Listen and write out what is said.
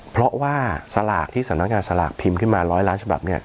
เพราะว่าสลากที่สำนักงานสลากพิมพ์ขึ้นมา๑๐๐ล้านฉบับ